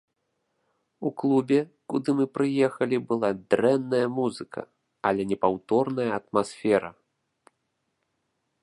У клубе, куды мы прыехалі, была дрэнная музыка, але непаўторная атмасфера.